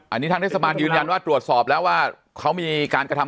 อันนี้ทางเทศบาลยืนยันว่าตรวจสอบแล้วว่าเขามีการกระทำ